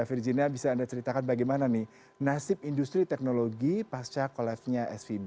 virginia bisa anda ceritakan bagaimana nasib industri teknologi pasca kolapsnya svb